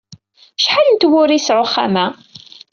Acḥal n tewwura yesɛa uxxam-a?